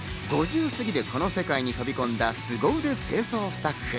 ５０過ぎて、この世界に飛び込んだ凄腕清掃スタッフ。